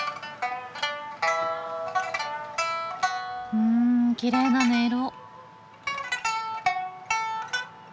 うんきれいな音色。